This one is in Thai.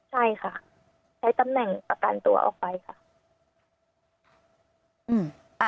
ใช่ค่ะใช้ตำแหน่งประกันตัวออกไปค่ะ